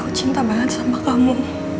aku cinta banget sama kamu